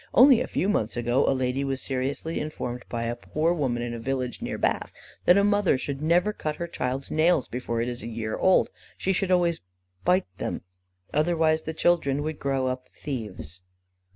Only a few months ago, a lady was seriously informed by a poor woman in a village near Bath, that a mother should never cut her child's nails before it is a year old. She should always bite them, otherwise the children would grow up thieves.